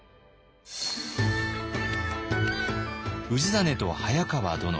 氏真と早川殿。